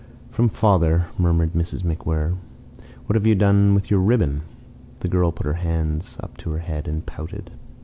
"From father," murmured Mrs. MacWhirr. "What have you done with your ribbon?" The girl put her hands up to her head and pouted.